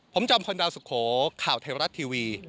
ผมจำคนดาวสุขโขข่าวเทรารัสทีวี